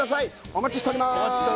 お待ちしております